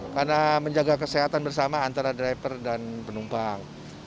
karena menjaga kesehatan bersama antara driver dan penumpang